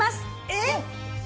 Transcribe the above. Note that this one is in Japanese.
えっ！